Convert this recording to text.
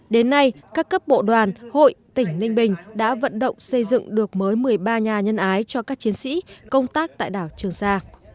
đến nay các cấp bộ đoàn hội tỉnh ninh bình đã vận động xây dựng được mới một mươi ba nhà nhân ái cho các chiến sĩ công tác tại đảo trường sa